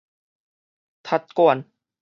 踢館